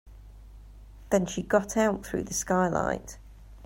Then she got out through the skylight.